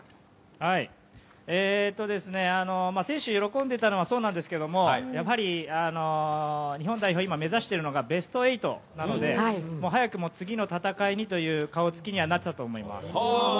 選手が喜んでいたのはそうなんですけどもやはり、日本代表が目指しているのはベスト８なので早くも次の戦いにという顔つきにはなっていると思います。